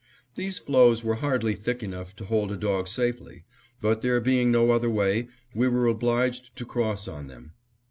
These floes were hardly thick enough to hold a dog safely, but, there being no other way, we were obliged to cross on them.